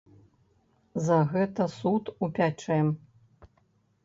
За гэта суд упячэ.